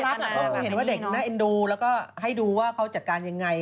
เขาคงเห็นว่าเด็กน่าเอ็นดูแล้วก็ให้ดูว่าเขาจัดการยังไง